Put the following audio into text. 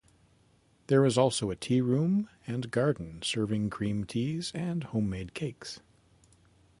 There is also a tearoom and garden serving cream teas and homemade cakes.